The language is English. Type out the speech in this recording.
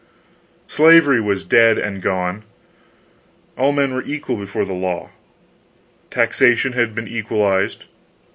Slavery was dead and gone; all men were equal before the law; taxation had been equalized.